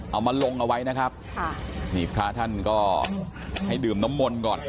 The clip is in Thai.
เอามาลงเอาไว้นะครับค่ะนี่พระท่านก็ให้ดื่มน้ำมนต์ก่อน